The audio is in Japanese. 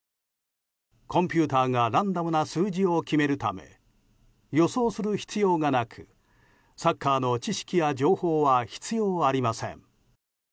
コンピューターがランダムな数字を決めるため予想する必要がなくサッカーの知識や情報は必要ありません。